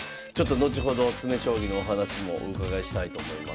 後ほど詰将棋のお話もお伺いしたいと思います。